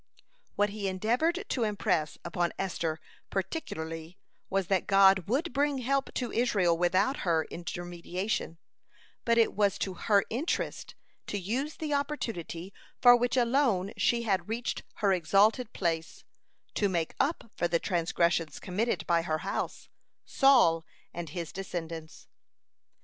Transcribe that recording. What he endeavored to impress upon Esther particularly, was that God would bring help to Israel without her intermediation, but it was to her interest to use the opportunity, for which alone she had reached her exalted place, to make up for the transgressions committed by her house, Saul and his descendants.